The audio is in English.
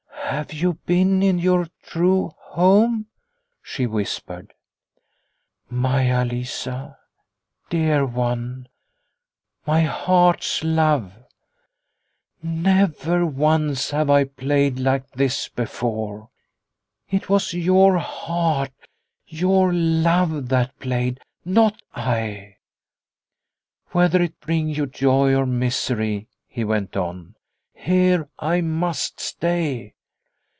"Have you been in your true home?" she whispered. " Maia Lisa, dear one, my heart's love ! Never once have I played like this before. It was your heart, your love that played, not I. Whether it bring you joy or misery," he went on, " here I must stay.